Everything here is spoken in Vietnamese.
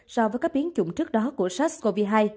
so với các biến chủng trước đó của sars cov hai